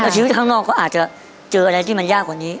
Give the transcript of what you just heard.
ชีวิตข้างนอกก็อาจจะเจออะไรที่มันยากกว่านี้